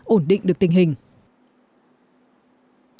ổn định được tình hình